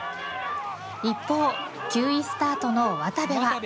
一方、９位スタートの渡部は。